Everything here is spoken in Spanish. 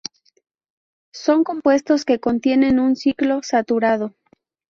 Son compuestos que contienen un ciclo saturado.